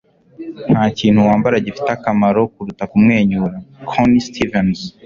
nta kintu wambara gifite akamaro kuruta kumwenyura. - connie stevens